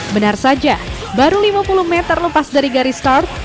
benar saja baru lima puluh meter lepas dari garis start